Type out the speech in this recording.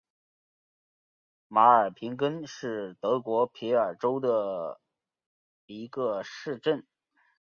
马尔平根是德国萨尔州的一个市镇。